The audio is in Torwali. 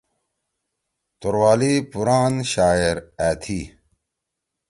توروالی پُوران شاعر أ تھی۔